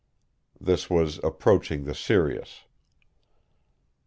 This was approaching the serious.